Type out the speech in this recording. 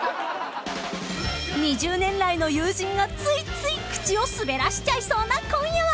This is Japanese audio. ［２０年来の友人がついつい口を滑らせちゃいそうな今夜は］